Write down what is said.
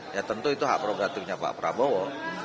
ya tentu itu hak progratifnya pak prabowo